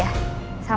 bapak sudah selesai kan